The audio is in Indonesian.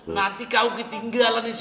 nanti kau ketinggalan disini